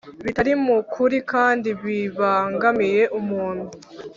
bitari mu kuri kandi bibangamiye umuntu